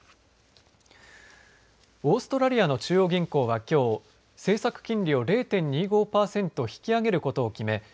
オーストラリアの中央銀行はきょう政策金利を０．２５パーセント引き上げることを決め